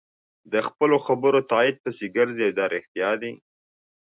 د خپلو خبرو تایید پسې ګرځي دا رښتیا دي.